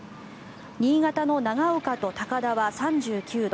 新潟の長岡と高田は３９度